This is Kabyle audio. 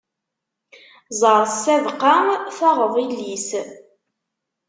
Ẓeṛ ssabqa, taɣeḍ illi-s!